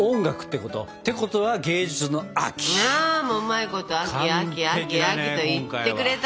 うまいこと秋秋秋秋と言ってくれたけれども。